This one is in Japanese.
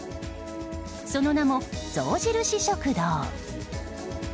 その名も象印食堂。